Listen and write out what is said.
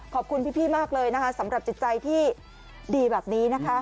ขอบคุณพี่มากเลยนะคะสำหรับจิตใจที่ดีแบบนี้นะคะ